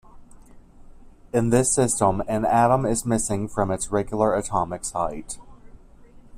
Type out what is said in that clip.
In this system, an atom is missing from its regular atomic site.